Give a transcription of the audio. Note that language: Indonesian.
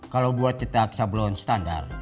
kalau buat cetak sablon standar